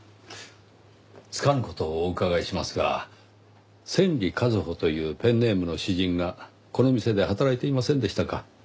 つかぬ事をお伺いしますが千里一歩というペンネームの詩人がこの店で働いていませんでしたか？